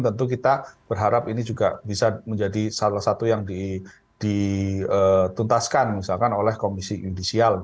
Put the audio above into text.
tentu kita berharap ini juga bisa menjadi salah satu yang dituntaskan misalkan oleh komisi judisial